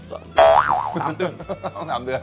สามเดือน